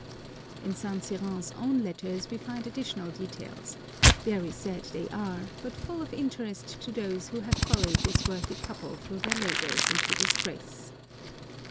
In Saint Cyran's own letters we find additional details, very sad they are, but full of interest to those who have followed this worthy couple through their labours into disgrace.